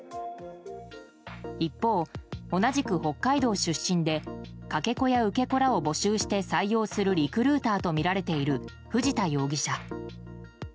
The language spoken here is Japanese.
一方、同じく北海道出身でかけ子や受け子らを募集して採用するリクルーターとみられている藤田容疑者。